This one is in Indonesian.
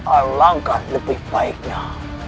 alangkah lebih baiknya